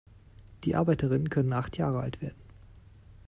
Die Arbeiterinnen können acht Jahre alt werden.